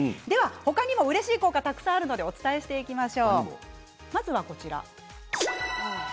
他にも、うれしい効果があるのでお伝えしていきます。